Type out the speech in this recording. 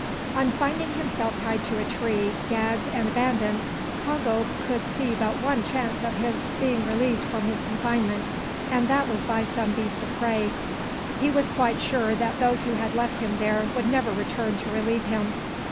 On finding himself tied to a tree, gagged, and abandoned Congo could see but one chance of his being released from his confinement, and that was by some beast of prey. He was quite sure that those who had left him there would never return to relieve him.